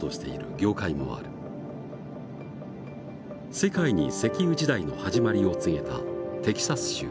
世界に石油時代の始まりを告げたテキサス州。